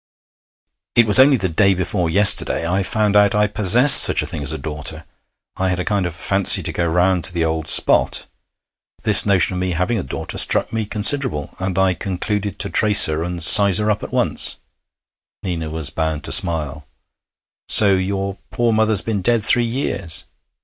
'It was only the day before yesterday I found out I possessed such a thing as a daughter. I had a kind of fancy to go around to the old spot. This notion of me having a daughter struck me considerable, and I concluded to trace her and size her up at once.' Nina was bound to smile. 'So your poor mother's been dead three years?'